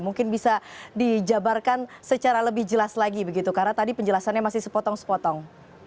mungkin bisa dijabarkan secara lebih jelas lagi begitu karena tadi penjelasannya masih sepotong sepotong